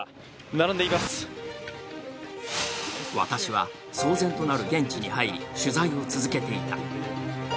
私は騒然となる現地に入り、取材を続けていた。